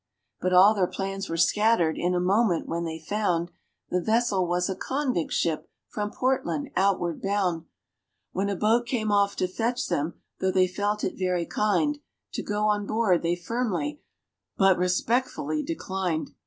But all their plans were scattered in a moment when they found, The vessel was a convict ship from Portland outward bound; When a boat came off to fetch them, though they felt it very kind, To go on board they firmly but respectfully declined.